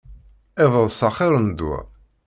Iḍes axir n ddwa.